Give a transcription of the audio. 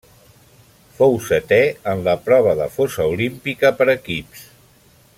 Fou setè en la prova de fossa Olímpica per equips.